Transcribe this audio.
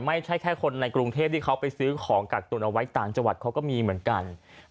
ไม่ใช่แค่คนในกรุงเทพที่เขาไปซื้อของกักตุนเอาไว้ต่างจังหวัดเขาก็มีเหมือนกัน